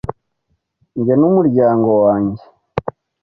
Njye numuryango wanjye